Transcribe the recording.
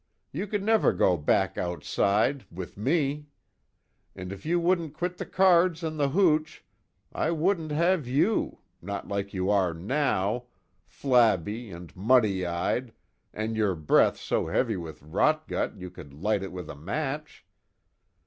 You could never go back outside with me. And if you wouldn't quit the cards and the hooch, I wouldn't have you not like you are now flabby, and muddy eyed, an' your breath so heavy with rot gut you could light it with a match.